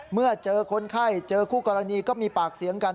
เมื่อเจอคนไข้เจอคู่กรณีก็มีปากเสียงกัน